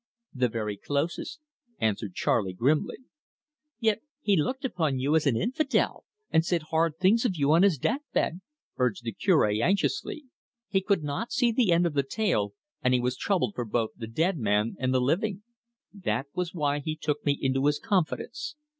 "The very closest," answered Charley grimly. "Yet he looked upon you as an infidel, and said hard things of you on his death bed," urged the Cure anxiously. He could not see the end of the tale, and he was troubled for both the dead man and the living. "That was why he took me into his confidence.